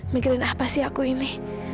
mikirin apa sih aku ini